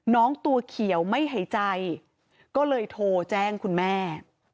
น้องตัวเขียวไม่หายใจก็เลยโทรแจ้งคุณแม่